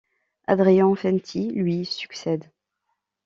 Adrian Fenty lui succède.